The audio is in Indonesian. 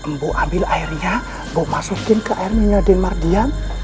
mbu ambil airnya mbu masukkan ke air minyak denmarkian